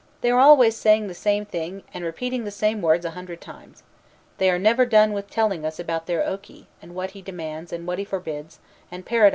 They are always saying the same thing, and repeating the same words a hundred times. They are never done with telling us about their Oki, and what he demands and what he forbids, and Paradise and Hell."